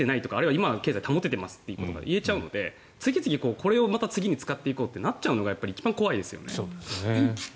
今は経済を保ててますと言えちゃうので次々、これをまた次に使っていこうとなるのが一番怖いですよね。